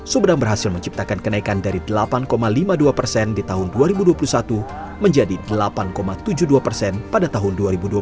subdang berhasil menciptakan kenaikan dari delapan lima puluh dua persen di tahun dua ribu dua puluh satu menjadi delapan tujuh puluh dua persen pada tahun dua ribu dua puluh satu